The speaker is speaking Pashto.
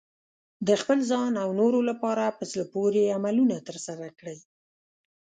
د خپل ځان او نورو لپاره په زړه پورې عملونه ترسره کړئ.